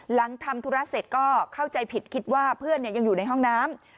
หลังทำธุระเสร็จก็เข้าใจผิดคิดว่าเพื่อนยังอยู่ในห้องน้ำ